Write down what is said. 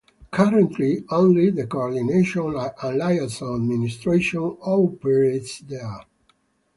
Currently only the Coordination and Liaison Administration operates there.